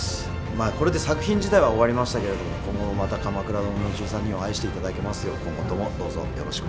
これで作品自体は終わりましたけれども今後もまた「鎌倉殿の１３人」を愛していただけますよう今後ともどうぞよろしくお願いいたします。